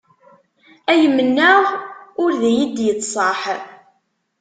Ay mennaɣ ur d iyi-d-yettṣaḥ.